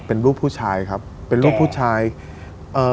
เป็นรูปผู้ชายครับเป็นรูปผู้ชายเอ่อ